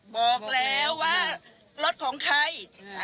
บอกแล้วว่ารถของใคร